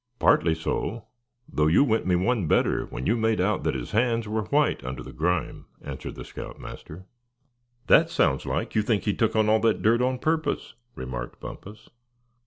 "Partly so; though you went me one better when you made out that his hands were white under the grime," answered the scout master. "That sounds like you think he took on all that dirt on purpose?" remarked Bumpus.